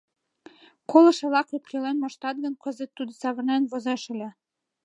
Колышо-влак ӧпкелен моштат гын, кызыт тудо савырнен возеш ыле!